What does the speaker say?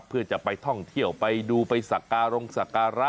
เพื่อจะไปท่องเที่ยวไปดูไปสักการงสักการะ